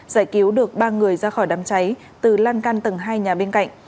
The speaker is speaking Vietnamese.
giải cứu được ba người ra khỏi đám cháy từ lan căn tầng hai nhà bên cạnh